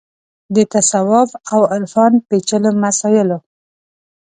د تصوف او عرفان پېچلو مسایلو